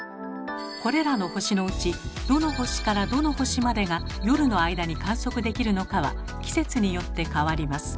これらの星のうちどの星からどの星までが夜の間に観測できるのかは季節によって変わります。